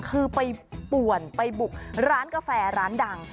คือไปป่วนไปบุกร้านกาแฟร้านดัง